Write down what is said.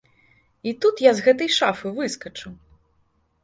І тут я з гэтай шафы выскачыў!